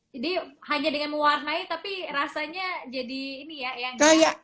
jadi hanya dengan mewarnai tapi rasanya jadi ini ya